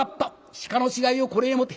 鹿の死骸をこれへ持て。